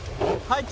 はい。